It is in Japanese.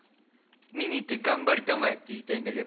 見に行って「頑張りたまえ」って言いたいんだけど。